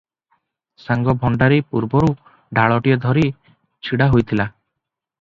ସାଙ୍ଗ ଭଣ୍ତାରୀ ପୂର୍ବରୁ ଢାଳଟିଏ ଧରି ଛିଡ଼ାହୋଇଥିଲା ।